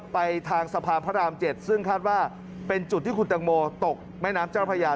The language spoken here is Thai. ไปทางสะพานพระราม๗ซึ่งคาดว่าเป็นจุดที่คุณตังโมตกแม่น้ำเจ้าพระยา